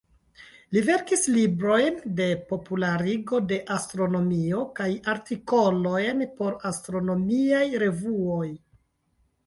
Li verkis librojn de popularigo de astronomio kaj artikolojn por astronomiaj revuoj.